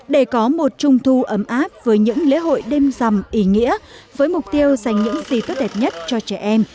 để có một trung thu ấm áp với những lễ hội đêm rằm ý nghĩa với mục tiêu dành những gì tốt đẹp nhất cho trẻ em